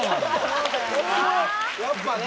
やっぱね。